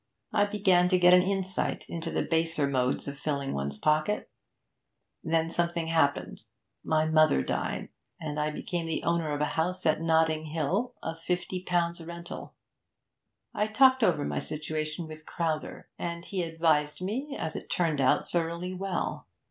I began to get an insight into the baser modes of filling one's pocket. Then something happened; my mother died, and I became the owner of a house at Notting Hill of fifty pounds rental. I talked over my situation with Crowther, and he advised me, as it turned out, thoroughly well.